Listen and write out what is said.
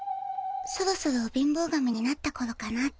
そろそろ貧乏神になったころかなって。